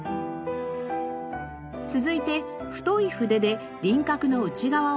続いて太い筆で輪郭の内側を塗り込みます。